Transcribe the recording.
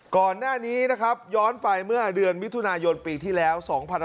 ก่อนหน้านี้ย้อนไปเมื่อเดือนวิทุนายนปีที่แล้ว